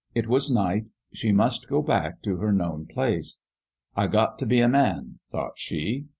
It was night : she must go back to her known place. " I got t' be a man," thought she.